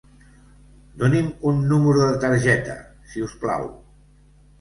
Doni'm un número de targeta, si us plau.